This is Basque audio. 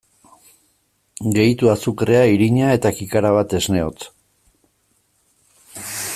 Gehitu azukrea, irina eta kikara bat esne hotz.